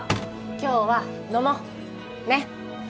今日は飲もうねっ！